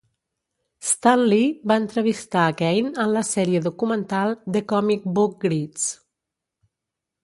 Stan Lee va entrevistar a Kane en la sèrie documental "The Comic Book Greats".